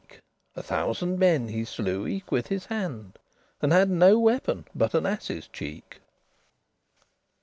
*olive trees <4> A thousand men he slew eke with his hand, And had no weapon but an ass's cheek.